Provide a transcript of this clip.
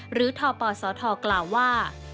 หรือทปศทกล่าวว่า